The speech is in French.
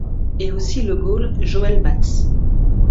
Et aussi le goal Joel Bats.